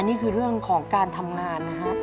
นี่คือเรื่องของการทำงานนะฮะ